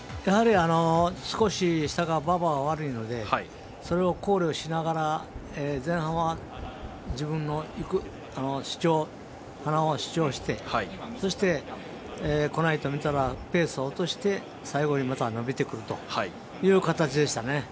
少し下の馬場が悪いのでそれを考慮しながら前半は自分のハナを主張してそして、来ないと見たらペースを落としたら最後に、また伸びてくるという形でしたね。